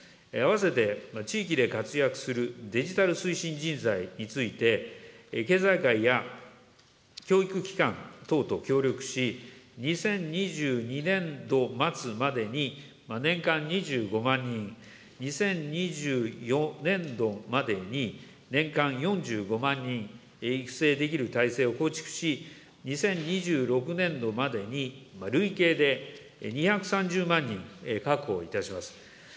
併せて地域で活躍するデジタル推進人材について、経済界や教育機関等と協力し、２０２２年度末までに、年間２５万人、２０２４年度までに年間４５万人育成できる体制を構築し、２０２６年度までに累計で２３０万人確保いたします。